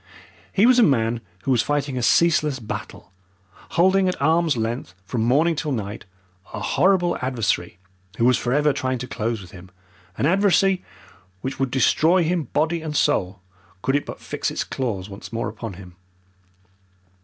He was a man who was fighting a ceaseless battle, holding at arm's length, from morning till night, a horrible adversary who was forever trying to close with him an adversary which would destroy him body and soul could it but fix its claws once more upon him.